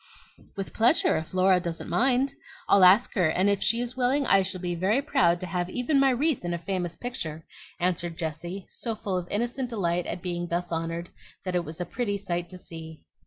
"With pleasure, if Laura doesn't mind. I'll ask her, and if she is willing I shall be very proud to have even my wreath in a famous picture," answered Jessie, so full of innocent delight at being thus honored that it was a pretty sight to see.